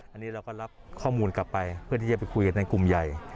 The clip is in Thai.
อันนี้เราก็รับข้อมูลกลับไปเพื่อที่จะไปคุยกันในกลุ่มใหญ่